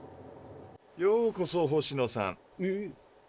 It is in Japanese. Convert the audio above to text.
ようこそ星野さん。